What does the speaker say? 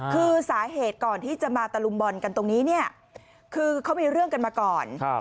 คือสาเหตุก่อนที่จะมาตะลุมบอลกันตรงนี้เนี่ยคือเขามีเรื่องกันมาก่อน